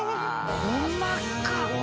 細かっ！